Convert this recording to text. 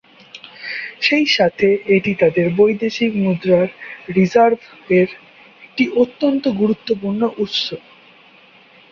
সেইসাথে এটি তাদের বৈদেশিক মুদ্রার রিজার্ভ এর একটি অত্যন্ত গুরুত্বপূর্ণ উৎস।